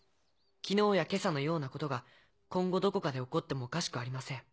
昨日や今朝のようなことが今後どこかで起こってもおかしくありません。